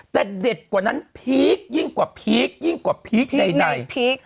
แต่เด็ดกว่านั้นพีคยิ่งกว่าพีคยิ่งกว่าพีคใดพีค